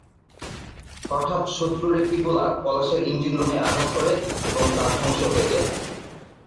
হঠাৎ শত্রুর একটি গোলা পলাশের ইঞ্জিন রুমে আঘাত করে এবং তা ধ্বংস হয়ে যায়।